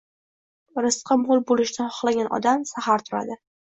Rizqi mo`l bo`lishni xohlagan odam, sahar turadi